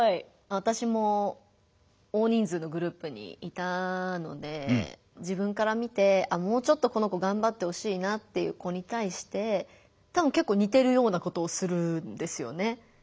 私も大人数のグループにいたので自分から見てあっもうちょっとこの子がんばってほしいなっていう子に対してたぶんけっこう似てるようなことをするんですよね。